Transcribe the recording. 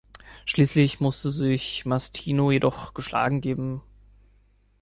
Schließlich musste sich Mastino jedoch geschlagen geben.